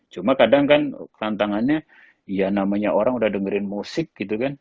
cuma kadang kan tantangannya ya namanya orang udah dengerin musik gitu kan